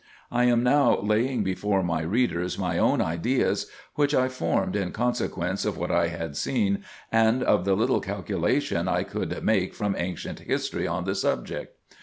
I am now laying before my readers my own ideas, which I formed in con sequence of what I had seen, and of the little calculation I could make from ancient history on the subject.